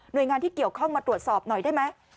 โดยงานที่เกี่ยวข้องมาตรวจสอบหน่อยได้ไหม